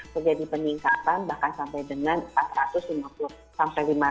terjadi peningkatan bahkan sampai dengan empat ratus lima puluh sampai lima ratus